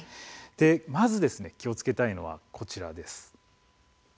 まず気をつけたいのがこちらです。